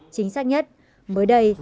chính xác nhất mới đây